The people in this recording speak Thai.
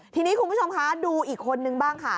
ทีนี้คุณผู้ชมคะดูอีกคนนึงบ้างค่ะ